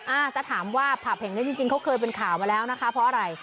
อ่าถ้าถามว่าผับแห่งนี้จริงจริงเขาเคยเป็นข่าวมาแล้วนะคะเพราะอะไร